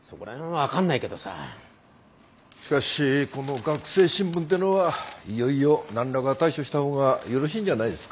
しかしこの学生新聞てのはいよいよ何らか対処した方がよろしいんじゃないですか。